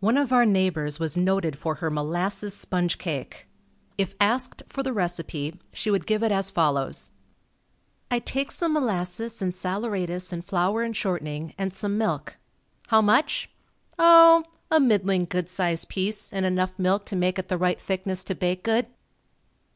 One of our neighbors was noted for her molasses sponge cake. If asked for the recipe, she would give it as follows: "I take some molasses and saleratus and flour and shortening, and some milk. How much? Oh, a middling good sized piece, and enough milk to make it the right thickness to bake good."